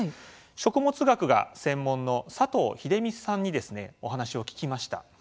食物学が専門の佐藤秀美さんにお話を聞きました。